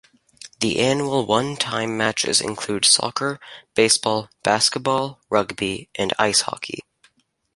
The annual one-time matches include soccer, baseball, basketball, rugby, and ice hockey.